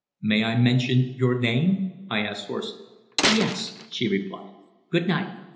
"May I mention your name?" I asked hoarsely. "Yes," she replied. "Good night."